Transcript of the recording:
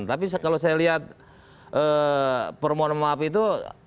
tapi kalau saya lihat permohonan maaf itu